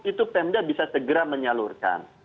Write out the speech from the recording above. itu pemda bisa segera menyalurkan